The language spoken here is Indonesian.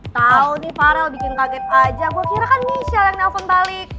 kau nih farel bikin kaget aja gue kira kan misal yang nelfon balik